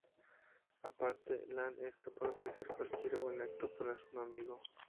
Aparte, Lan es capaz de hacer cualquier buen acto para un amigo.